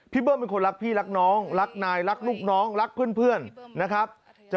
เบิ้มเป็นคนรักพี่รักน้องรักนายรักลูกน้องรักเพื่อนนะครับ